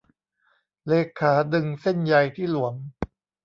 เลขาดึงเส้นใยที่หลวม